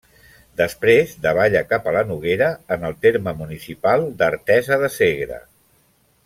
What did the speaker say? Després davalla cap a la Noguera, en el terme municipal d'Artesa de Segre.